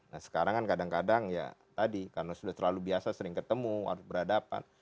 nah sekarang kan kadang kadang ya tadi karena sudah terlalu biasa sering ketemu harus berhadapan